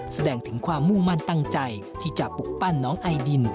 แสดงถึงความมุ่งมั่นตั้งใจที่จะปลุกปั้นน้องไอดิน